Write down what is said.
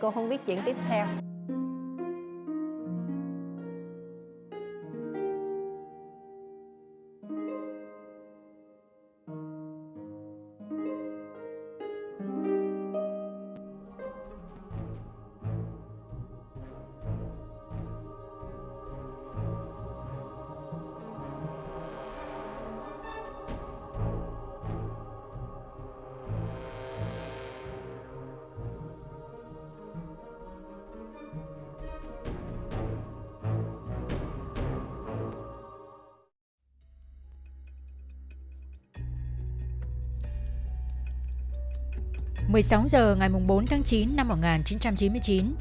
một mươi sáu h ngày bốn tháng chín năm một nghìn chín trăm chín mươi chín